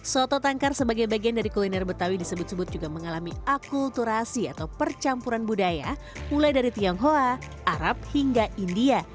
soto tangkar sebagai bagian dari kuliner betawi disebut sebut juga mengalami akulturasi atau percampuran budaya mulai dari tionghoa arab hingga india